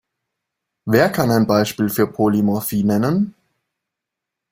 Wer kann ein Beispiel für Polymorphie nennen?